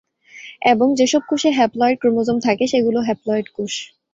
এবং, যেসব কোষে হ্যাপ্লয়েড ক্রোমোজোম থাকে সেগুলো হ্যাপ্লয়েড কোষ।